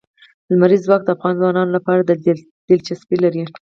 لمریز ځواک د افغان ځوانانو لپاره دلچسپي لري.